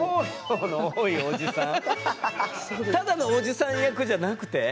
ただのおじさん役じゃなくて？